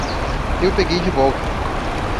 Eu peguei de volta.